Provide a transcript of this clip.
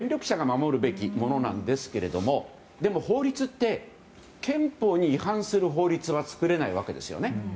基本的に憲法は権力者が守るべきものなんですけれどもでも、法律って憲法に違反する法律は作れないわけですよね。